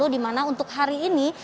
dimana untuk hari ini